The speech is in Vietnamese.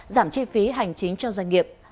giảm chi phí hành chính cho doanh nghiệp